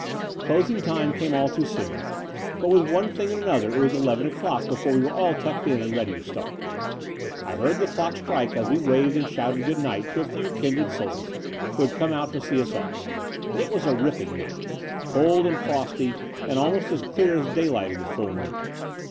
Closing time came all too soon, but with one thing and another it was eleven o'clock before we were all tucked in and ready to start. I heard the clock strike as we waved and shouted good night to a few kindred souls, who had come out to see us off. It was a ripping night, cold and frosty and almost as clear as daylight in the full moon.